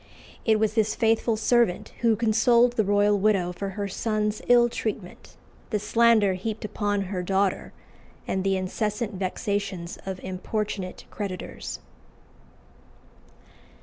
It was this faithful servant who consoled the royal widow for her son's ill treatment, the slander heaped upon her daughter, and the incessant vexations of importunate creditors.